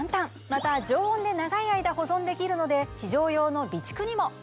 また常温で長い間保存できるので非常用の備蓄にも。